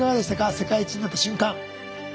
世界一になった瞬間。